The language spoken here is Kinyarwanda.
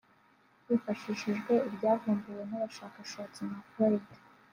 Hifashishijwe ibyavumbuwe n’abashakashatsi nka Freud